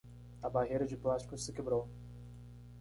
A barreira de plástico se quebrou.